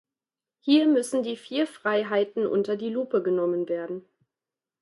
Hier müssen die vier Freiheiten unter die Lupe genommen werden.